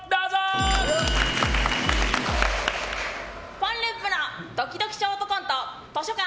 ポンループのドキドキショートコント図書館。